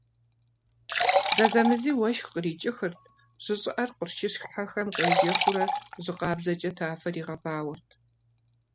Зэзэмызи уэшх кърикӀыхырт, жьы щӀыӀэр къуршыщхьэхэм къежэхыурэ, жьы къабзэкӀэ тафэр игъэбауэрт.